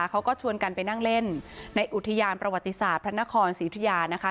เขาก็ชวนกันไปนั่งเล่นในอุทยานประวัติศาสตร์พระนครศรีอุทยานะคะ